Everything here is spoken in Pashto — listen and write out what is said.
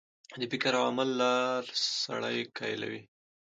د فکر او عمل لار سړی قایلوي.